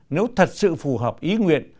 nếu thật sự phù hợp ý nguyện